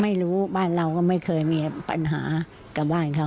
ไม่รู้บ้านเราก็ไม่เคยมีปัญหากับบ้านเขา